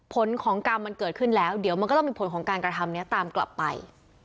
ผลของกรรมมันเกิดขึ้นแล้วเดี๋ยวมันก็ต้องมีผลของการกระทำนี้ตามกลับไป